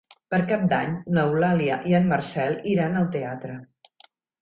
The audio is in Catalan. Per Cap d'Any n'Eulàlia i en Marcel iran al teatre.